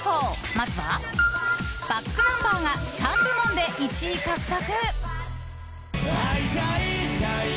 まずはｂａｃｋｎｕｍｂｅｒが３部門で１位獲得。